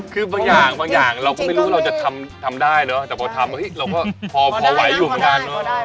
คือบางอย่างเราก็ไม่รู้ว่าเราทำได้เนอะแต่พอทำเฮ่ยเราก็พอไหวอยู่เหมือนกันเองว่า